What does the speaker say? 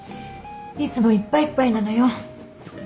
いつもいっぱいいっぱいなのよ。